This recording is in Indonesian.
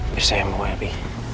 bersihkan mu abby